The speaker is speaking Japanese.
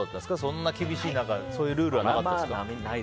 そんなに厳しい中でルールはなかったですか？